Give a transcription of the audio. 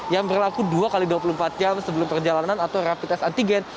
yang berlaku dua x dua puluh empat jam sebelum perjalanan atau rapid test antigen